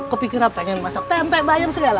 kepikiran pengen masak tempe bayan segala